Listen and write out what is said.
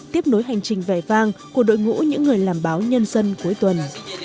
tiếp nối hành trình vẻ vang của đội ngũ những người làm báo nhân dân cuối tuần